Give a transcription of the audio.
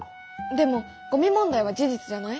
でもゴミ問題は事実じゃない？